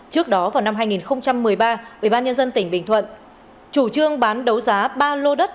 trước đó vào năm hai nghìn một mươi ba ubnd tỉnh bình thuận chủ trương bán đấu giá ba lô đất